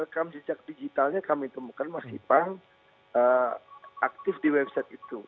rekam jejak digitalnya kami temukan mas ipang aktif di website itu